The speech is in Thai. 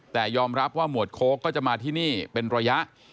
แต่ยอมรับว่าหมวดโค้กก็จะมาที่นี่เป็นระยะ